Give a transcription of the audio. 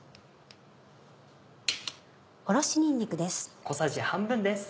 おろしにんにくです。